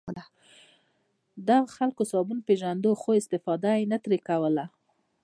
دغو خلکو صابون پېژانده خو استفاده یې نه ترې کوله.